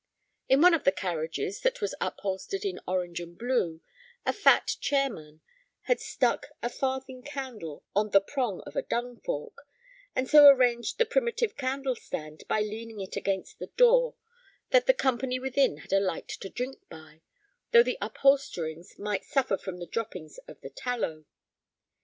In one of the carriages that was upholstered in orange and blue a fat chairman had stuck a farthing candle on the prong of a dung fork, and so arranged the primitive candle stand by leaning it against the door that the company within had a light to drink by, though the upholsterings might suffer from the droppings of the tallow.